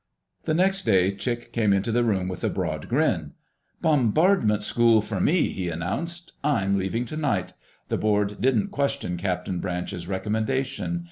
The next day Chick came into the room with a broad grin. "Bombardment school for me!" he announced. "I'm leaving tonight. The board didn't question Captain Branch's recommendation.